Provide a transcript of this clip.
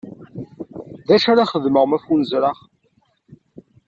D acu ara xedmeɣ ma ffunezreɣ?